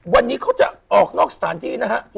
วันนี้เขาจะออกนอกสถานที่นะฮะ